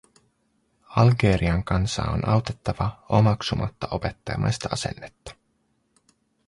Algerian kansaa on autettava omaksumatta opettajamaista asennetta.